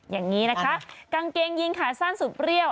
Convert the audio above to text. อย่างนี้นะคะกางเกงยีนขาสั้นสุดเปรี้ยว